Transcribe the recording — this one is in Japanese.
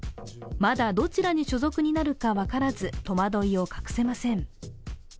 まだどちらに所属になるか分からず戸惑いを隠せません。